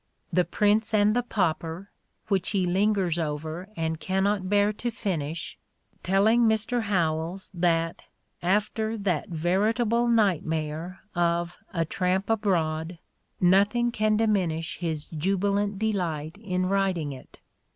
"The Prince and the Pauper," which he lingers over and cannot bear to finish, telling Mr. Howells that, after that "veritable nightmare" of "A Tramp Abroad," nothing can diminish his jubilant delight in writing it.